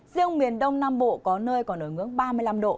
riêng miền đông nam bộ có nơi có nổi ngưỡng ba mươi năm độ